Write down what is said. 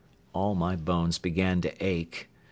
All my bones began to ache.